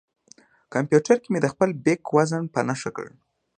کمپیوټر کې مې د خپل بیک وزن په نښه کړ.